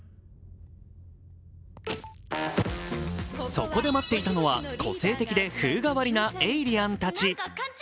そこで待っていたのは個性的で風変わりなエイリアンたち。